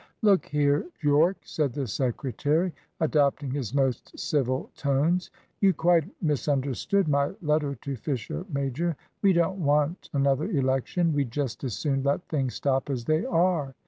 "Look here, Yorke," said the secretary, adopting his most civil tones, "you quite misunderstood my letter to Fisher major. We don't want another election. We'd just as soon let things stop as they are.